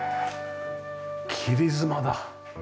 切妻だ！